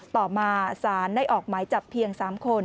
ต่อมาสารได้ออกหมายจับเพียง๓คน